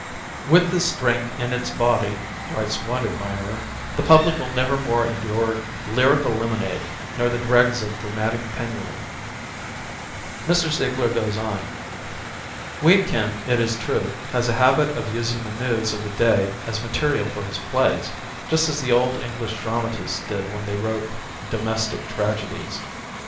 'With this drink in its body,' writes one admirer, *the public will * Brown Brothers, Philadelphia. 236 TEE AWAKENING OF SPRING 237 never more endure lyrical lemonade, nor the dregs of dramatic penury.' " Mr. Ziegler goes on: "Wedekind, it is true, has a habit of using the news of the day as material for his plays, just as the old English dramatists did when they wrote 'domestic tragedies.'